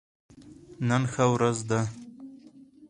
نن ښه ورځ ده